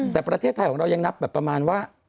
แต่ประเทศไทยของเรายังนับแบบประมาณว่า